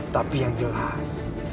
tapi yang jelas